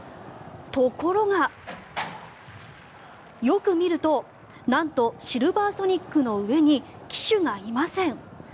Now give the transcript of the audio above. ところが、よく見るとなんとシルヴァーソニックの上に騎手がいません。